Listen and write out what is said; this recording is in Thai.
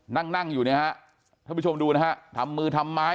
นั่งนั่งอยู่เนี่ยฮะท่านผู้ชมดูนะฮะทำมือทำไม้